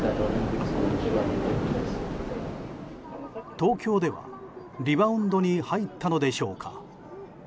東京ではリバウンドに入ったのでしょうか。